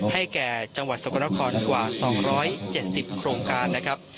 ให้แก่จังหวัดสกลนครกว่า๒๗๐โครงการนะครับ